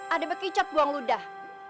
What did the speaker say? ada bekicot buang ludah